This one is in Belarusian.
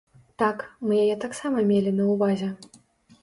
Так, мы яе таксама мелі на ўвазе.